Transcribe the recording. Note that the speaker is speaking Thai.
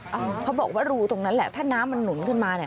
เขาบอกว่ารูตรงนั้นแหละถ้าน้ำมันหนุนขึ้นมาเนี่ย